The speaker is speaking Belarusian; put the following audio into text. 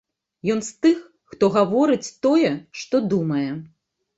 Ён з тых, хто гаворыць тое, што думае.